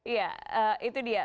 iya itu dia